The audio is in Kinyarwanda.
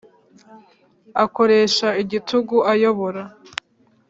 Akoresha igitugu ayobora